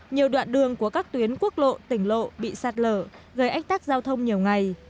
nhiều đoạn đường của các tuyến quốc lộ tỉnh lộ bị sạt lở gây ách tắc giao thông nhiều ngày